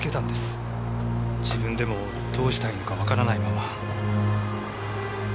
自分でもどうしたいのかわからないまま。